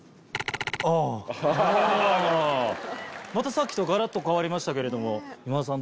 さっきとガラっと変わりましたけど今田さん